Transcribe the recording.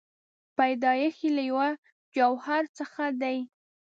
پیدایښت یې له یوه جوهر څخه دی.